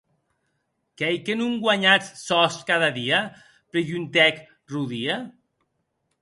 Qu’ei que non guanhatz sòs cada dia?, preguntèc Rodia.